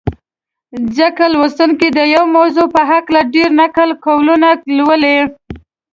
ځکه لوستونکي د یوې موضوع په هکله ډېر نقل قولونه لولي.